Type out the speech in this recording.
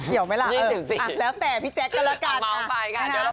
เกี่ยวไหมล่ะ๒๔ค่ะเอามาเอาไปค่ะเดี๋ยวเรา